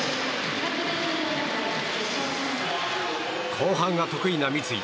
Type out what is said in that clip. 後半が得意な三井。